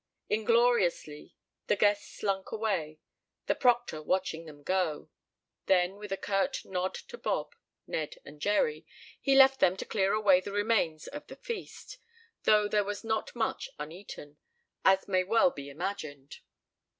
Ingloriously the guests slunk away, the proctor watching them go. Then, with a curt nod to Bob, Ned and Jerry, he left them to clear away the remains of the feast though there was not much uneaten, as may well be imagined.